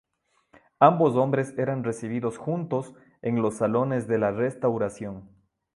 Ambos hombres eran recibidos juntos en los salones de la Restauración.